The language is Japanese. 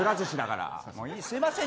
すいません。